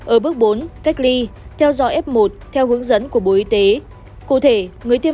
ở bước bốn cách ly theo dõi f một theo hướng dẫn của bộ y tế